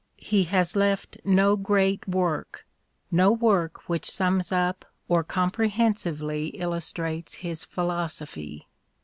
He has left no great work, no work which sums up or comprehensively illustrates his philosophy.